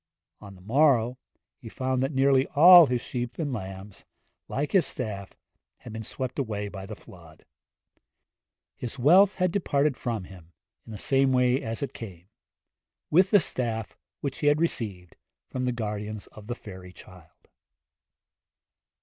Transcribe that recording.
On the morrow he found that nearly all his sheep and lambs, like his staff, had been swept away by the flood. His wealth had departed from him in the same way as it came with the staff which he had received from the guardians of the fairy child.